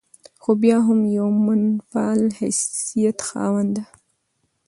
خو بيا هم د يوه منفعل حيثيت خاونده